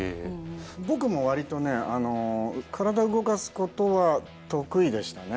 僕も割とねあの体動かすことは得意でしたね。